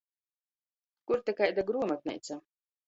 Kur te kaida gruomatneica?